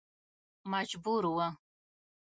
مجبور و.